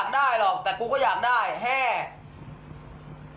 คนอื่นก็ได้กันหมด